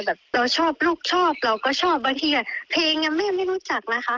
แบบเราชอบลูกชอบเราก็ชอบบางทีแบบเพลงแม่ไม่รู้จักนะคะ